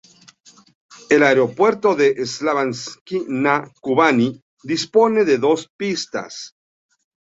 El aeropuerto de Slaviansk-na-Kubani dispone de dos pistas.